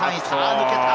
抜けた！